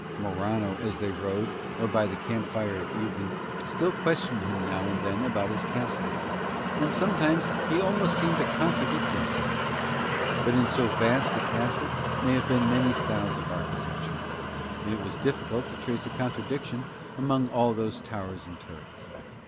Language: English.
Morano, as they rode, or by the camp fire at evening, still questioned him now and then about his castle; and sometimes he almost seemed to contradict himself, but in so vast a castle may have been many styles of architecture, and it was difficult to trace a contradiction among all those towers and turrets.